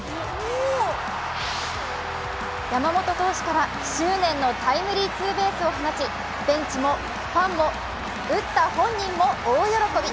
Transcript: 山本投手から執念のタイムリーツーベースを放ちベンチもファンも打った本人も大喜び。